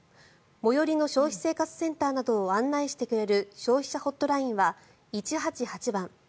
最寄りの消費生活センターなどを案内してくれる消費者ホットラインは１８８番。